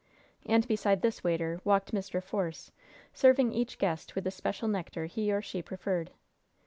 And beside this waiter walked Mr. Force, serving each guest with the special nectar he or she preferred.